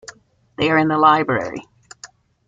They are in the library.